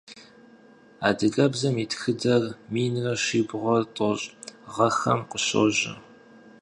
Адыгэбзэм и тхыдэр минрэ щибгъурэ тӏощӏ гъэхэм къыщожьэ.